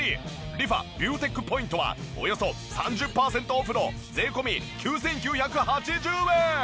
リファビューテックポイントはおよそ３０パーセントオフの税込９９８０円。